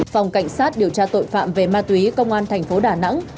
phòng cảnh sát điều tra tội phạm về ma túy công an tp đà nẵng